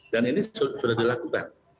dan ini sudah dilakukan